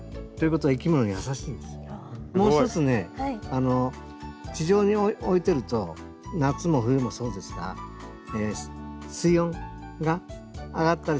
もう一つね地上に置いてると夏も冬もそうですが水温が上がったり下がったりしやすいんですね。